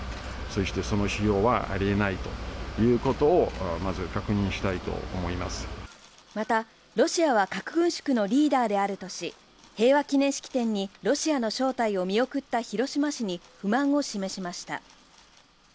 そしてその使用はありえないということを、まず確認したいと思いまた、ロシアは核軍縮のリーダーであるとし、平和記念式典にロシアの招待を見送った広島市に不満を示しました。